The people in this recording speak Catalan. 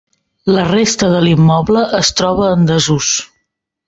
La resta de l'immoble es troba en desús.